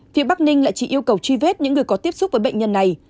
phía bắc ninh lại chỉ yêu cầu truy vết những người có tiếp xúc với bệnh nhân này